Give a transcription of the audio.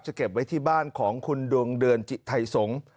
เก็บไว้ที่บ้านของคุณดวงเดือนจิไทยสงศ์